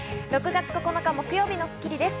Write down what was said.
６月９日、木曜日の『スッキリ』です。